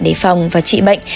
để phòng và trị bệnh